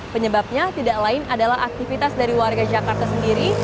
penyebabnya tidak lain adalah aktivitas dari warga jakarta sendiri